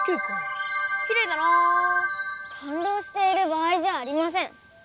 かんどうしている場合じゃありません。